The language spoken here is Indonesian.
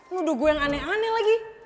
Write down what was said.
lu dugu yang aneh aneh lagi